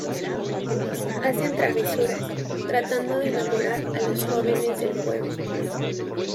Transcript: Hacen travesuras, tratando de "enamorar" a los jóvenes del pueblo.